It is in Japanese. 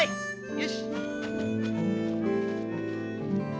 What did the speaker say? よし！